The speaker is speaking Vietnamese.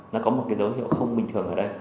nó có một cái dấu hiệu không bình thường ở đây